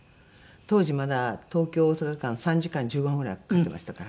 当時まだ東京大阪間３時間１５分ぐらいかかってましたから。